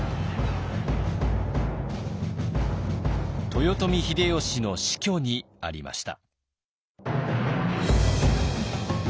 豊臣秀吉の死去にありました。